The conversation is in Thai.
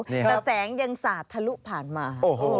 แต่แสงยังสาดทะลุผ่านมา